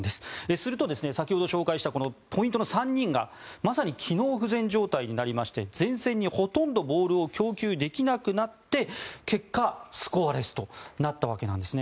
すると、先ほど紹介したポイントの３人がまさに機能不全状態になりまして前線にほとんどボールを供給できなくなって結果、スコアレスとなったわけなんですね。